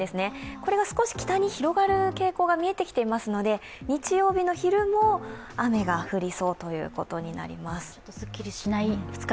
これが少し北に広がる傾向が見えてきていますので日曜日の昼も雨が降りそうということになります。